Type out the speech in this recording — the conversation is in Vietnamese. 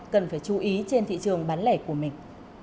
cần phải chú ý trên thị trường bán lẻ của mình